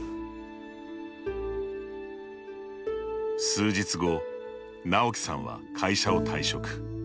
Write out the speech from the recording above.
数日後、なおきさんは会社を退職。